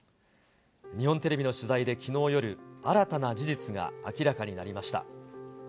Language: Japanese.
日本テレビの取材できのう夜、新たな事実が明らかになりました。